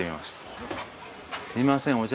すいません。